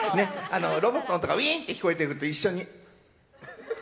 ロボットの音がウィーンって聞こえてると一緒に。